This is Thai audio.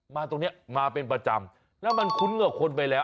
ตรงนี้มาเป็นประจำแล้วมันคุ้นกับคนไปแล้ว